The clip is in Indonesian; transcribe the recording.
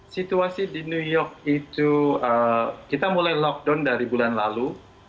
situasi di new york itu kita mulai lockdown dari bulan lalu